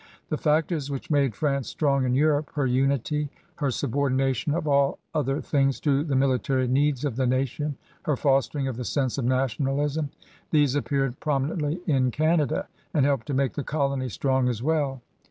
The factors which made France strong in Europe, her unity, her subordination of all other things to the military needs of the nation, her fostering of the sense of nationalism — these appeared prominently in Canada and helped to make the colony strong as well.